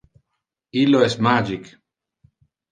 Illo es magic.